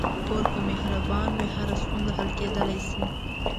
کور که مهربان وي، هره ستونزه حل کېدلی شي.